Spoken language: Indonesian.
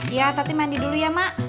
iya tapi mandi dulu ya mak